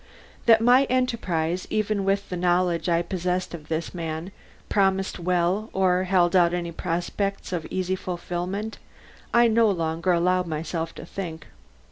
That my enterprise, even with the knowledge I possessed of this man, promised well or held out any prospects of easy fulfilment, I no longer allowed myself to think.